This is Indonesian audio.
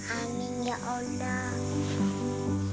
amin ya allah